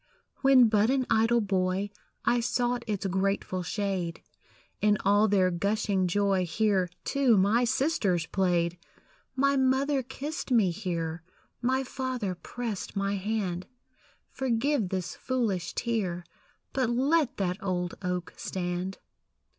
When but an idle boy, I sought its grateful shade; In all their gushing joy Here, too, my sisters played. My mother kissed me here; My father pressed my hand Forgive this foolish tear, But let that old oak stand.